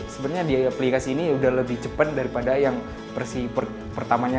sebenarnya aplikasi ini sudah lebih cepat daripada yang lain